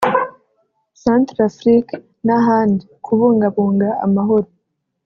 Centrafrique n’ahandi ) kubungabunga amahoro